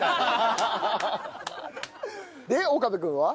で岡部君は？